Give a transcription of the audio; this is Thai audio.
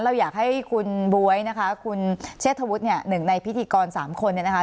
เราอยากให้คุณบ๊วยนะคะคุณเชษฐวุฒิเนี่ย๑ในพิธีกร๓คนนะคะ